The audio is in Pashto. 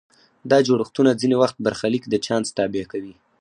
دا جوړښتونه ځینې وخت برخلیک د چانس تابع کوي.